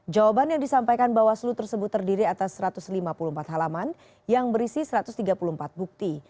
jawaban yang disampaikan bawaslu tersebut terdiri atas satu ratus lima puluh empat halaman yang berisi satu ratus tiga puluh empat bukti